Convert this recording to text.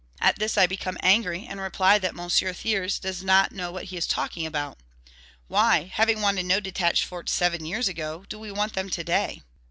At this I become angry, and reply that M. Thiers does not know what he is talking about. Why, having wanted no detached forts seven years ago, do we want them to day?